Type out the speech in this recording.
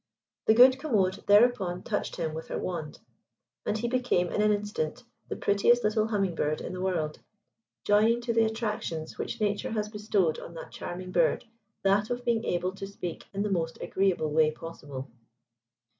The good Commode thereupon touched him with her wand, and he became in an instant the prettiest little Humming bird in the world, joining to the attractions which nature has bestowed on that charming bird that of being able to speak in the most agreeable way possible.